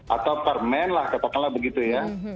atau permen lah katakanlah begitu ya